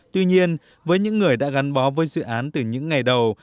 tuy nhiên với những người đã gắn bó với dự án từ những ngày đầu